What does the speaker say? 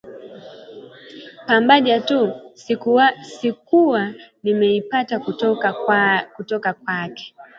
Pambaja tu sikuwa nimeipata kutoka kwake